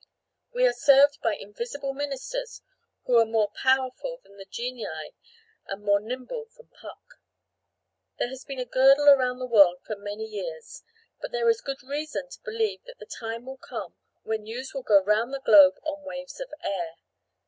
We are served by invisible ministers who are more powerful than the genii and more nimble than Puck. There has been a girdle around the world for many years; but there is good reason to believe that the time will come when news will go round the globe on waves of air.